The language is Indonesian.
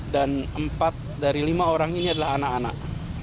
dan empat dari lima orang ini adalah anak anak